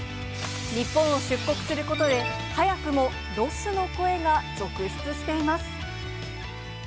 日本を出国することで、早くもロスの声が続出しています。